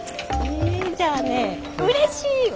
じゃあね「うれしい」は？